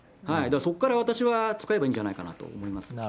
そこから私は使えばいいんじゃないかなと思います。